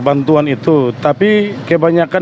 bantuan itu tapi kebanyakan